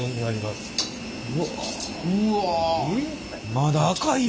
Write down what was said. まだ赤いよ！